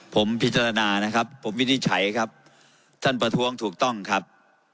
ผมพิจารณานะครับผมวินิจฉัยครับท่านประท้วงถูกต้องครับ